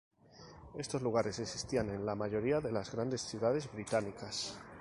Estos lugares existían en la mayoría de las grandes ciudades británicas.